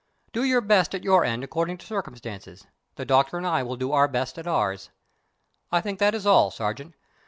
Do your best at your end according to circumstances; the Doctor and I will do our best at ours. I think that is all, Sergeant.